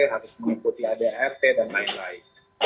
harus mengikuti adrt dan lain lain